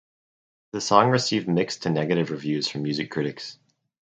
The song received mixed to negative reviews from music critics.